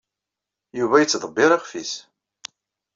Yuba yettḍebbir iɣef-nnes.